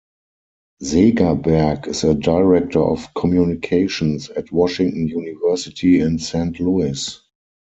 Segerberg is a Director of Communications at Washington University in Saint Louis.